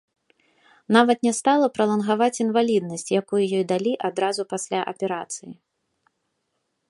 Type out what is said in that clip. Нават не стала пралангаваць інваліднасць, якую ёй далі адразу пасля аперацыі.